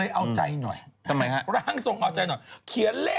โอโหเป็นไงล่ะ๕๘๗๒๔